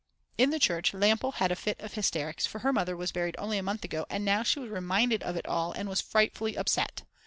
In the church Lampl had a fit of hysterics, for her mother was buried only a month ago and now she was reminded of it all and was frightfully upset.